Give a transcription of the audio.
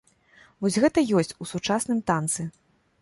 Вось гэта ёсць у сучасным танцы.